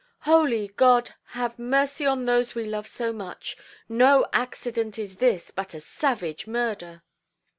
"Holy God, have mercy on those we love so much! No accident is this, but a savage murder".